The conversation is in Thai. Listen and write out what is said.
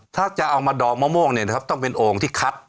ถ้าจะเอามาดองมะม่วงต้องเป็นโอ่งที่คัด